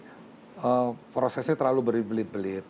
dalam arti prosesnya terlalu berbelit belit